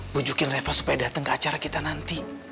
wujudin reva supaya dateng ke acara kita nanti